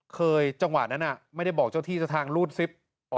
จังหวะนั้นไม่ได้บอกเจ้าที่เจ้าทางรูดซิป